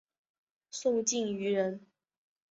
宋敬舆人。